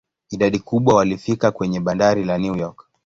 Idadi kubwa walifika kwenye bandari la New York.